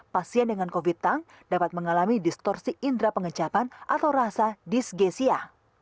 pasien dengan covid sembilan belas dapat mengalami distorsi indera pengecapan atau rasa dysgesia